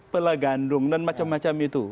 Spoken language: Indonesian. pela gandung dan macam macam itu